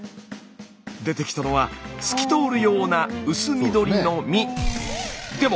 出てきたのは透き通るような薄緑の実。